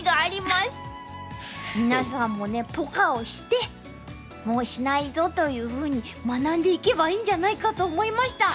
皆さんもねポカをして「もうしないぞ」というふうに学んでいけばいいんじゃないかと思いました。